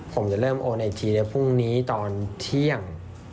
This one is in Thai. ผมจะเริ่มโอนอีกทีเดี๋ยวพรุ่งนี้ตอนเที่ยง